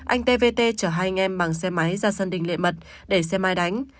anh t v t chở hai anh em bằng xe máy ra sân đỉnh lệ mật để xe máy đánh